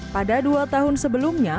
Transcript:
pada dua tahun sebelumnya